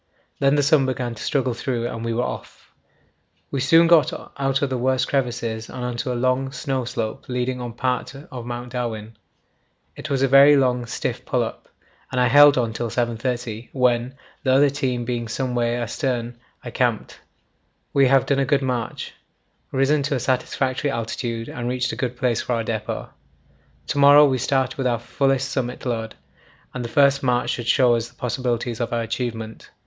Then the sun began to struggle through and we were off. We soon got out of the worst crevasses and on to a long snow slope leading on part of Mount Darwin. It was a very long stiff pull up, and I held on till 7.30, when, the other team being some way astern, I camped. We have done a good march, risen to a satisfactory altitude, and reached a good place for our depot. To morrow we start with our fullest summit load, and the first march should show us the possibilities of our achievement.